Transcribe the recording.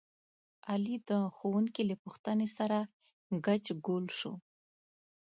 علي د ښوونکي له پوښتنې سره ګچ ګول شو.